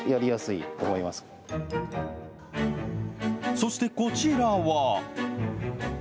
そして、こちらは。